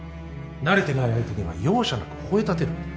慣れてない相手には容赦なく吠えたてる。